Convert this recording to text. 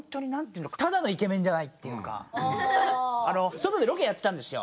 外でロケやってたんですよ。